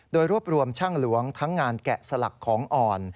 โดยรวบรวมช่างหลวงทั้งงานแกะสลักของอ่อน